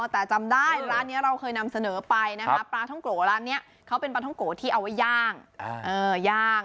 แต่จำได้ร้านนี้เราเคยนำเสนอไปนะคะปลาท่องโกะร้านนี้เขาเป็นปลาท่องโกะที่เอาไว้ย่างย่าง